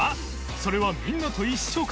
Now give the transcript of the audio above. それはみんなと一緒か